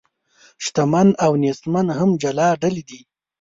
شتمن او نیستمن هم جلا ډلې دي.